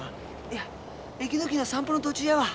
いや息抜きの散歩の途中やわ。